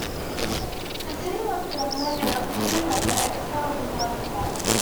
The city was the setting of an episode of The X-Files entitled "Blood".